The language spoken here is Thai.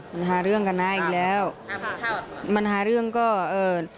มันหาเรื่องกันนะอีกแล้วอ่ามันหาเรื่องก็เอ่อ